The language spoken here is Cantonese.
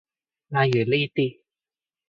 譬如呢啲